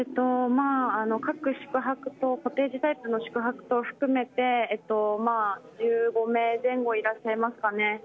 今、各宿泊棟コテージタイプの宿泊を含めて１５名前後いらっしゃいますかね。